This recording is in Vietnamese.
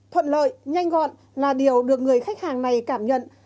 thuận lợi nhanh gọn là điều được người khách hàng này cảm nhận